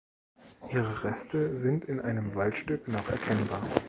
Ihre Reste sind in einem Waldstück noch erkennbar.